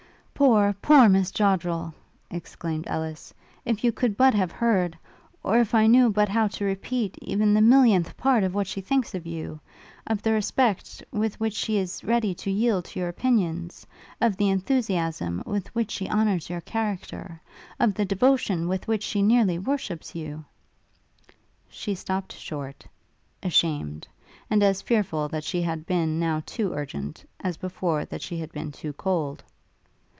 'Poor, poor, Miss Joddrel!' exclaimed Ellis, 'If you could but have heard, or if I knew but how to repeat, even the millionenth part of what she thinks of you! of the respect with which she is ready to yield to your opinions; of the enthusiasm with which she honours your character; of the devotion with which she nearly worships you ' She stopt short, ashamed; and as fearful that she had been now too urgent, as before that she had been too cold.